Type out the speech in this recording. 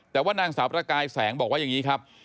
แต่ว่านางสาวประกายแสงบอกว่าอย่างนี้ครับ